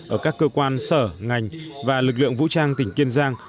ở các cơ quan sở ngành và lực lượng vũ trang tỉnh kiên giang